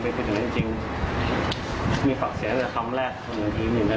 ไปเป็นที่เหมือนจริงมีฝากเสียได้คำแรกแบบอีกนึงใน